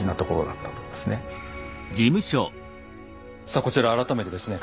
さあこちら改めてですね